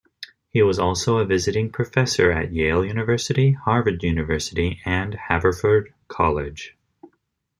He was also a visiting professor at Yale University, Harvard University and Haverford College.